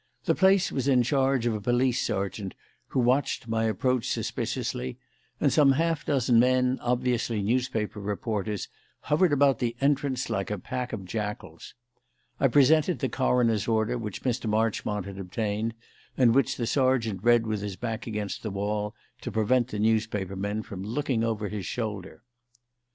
The place was in charge of a police sergeant, who watched my approach suspiciously; and some half dozen men, obviously newspaper reporters, hovered about the entrance like a pack of jackals. I presented the coroner's order which Mr. Marchmont had obtained, and which the sergeant read with his back against the wall, to prevent the newspaper men from looking over his shoulder.